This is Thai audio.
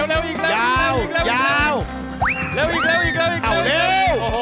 เร็วเร็วอีกเร็วอีกเร็วยาวยาว